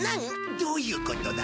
どういうことだ？